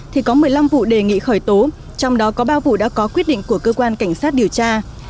thì có một mươi năm vụ đề nghị khởi tố trong đó có bao vụ đã có quyết định của cơ quan cảnh sát điều tra